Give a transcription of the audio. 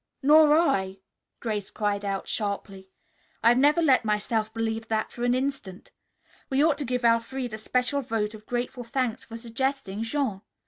"Nor I," Grace cried out sharply. "I've never let myself believe that for an instant. We ought to give Elfreda special vote of grateful thanks for suggesting Jean.